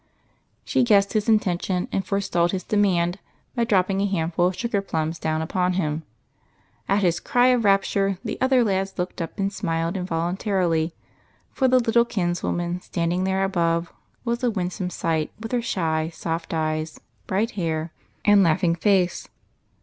She guessed his intention, and forestalled his de mand by dropping a handful of sugar plums down ui^on him. At his cry of rapture the other lads looked up and smiled involuntarily, for the little kinswoman stand ing there above was a winsome sight with her shy, soft eyes, bright hair, and laughing face.